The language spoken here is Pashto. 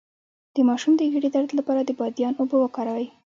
د ماشوم د ګیډې درد لپاره د بادیان اوبه وکاروئ